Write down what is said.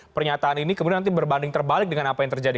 pernyataan ini kemudian nanti berbanding terbalik dengan apa yang terjadi